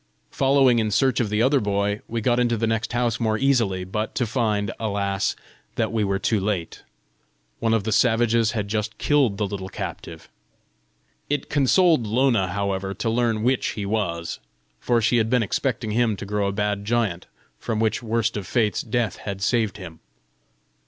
Following in search of the other boy, we got into the next house more easily, but to find, alas, that we were too late: one of the savages had just killed the little captive! It consoled Lona, however, to learn which he was, for she had been expecting him to grow a bad giant, from which worst of fates death had saved him.